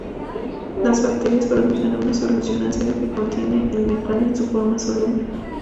Las bacterias producen una solución ácida que contiene al metal en su forma soluble.